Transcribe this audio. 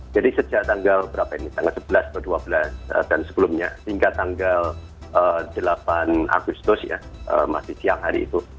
jadi sejak tanggal berapa ini tanggal sebelas ke dua belas dan sebelumnya hingga tanggal delapan agustus ya masih siang hari itu